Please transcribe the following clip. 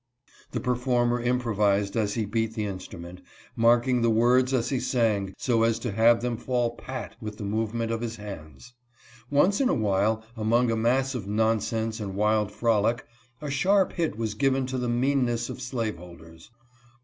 The performer improvised as he beat the instrument, marking the words as*he sang so as to have them fall pat with the movement of his hands. Once in a while among a mass of non sense and wild frolic, a sharp hit was given to the mean ness of slaveholders.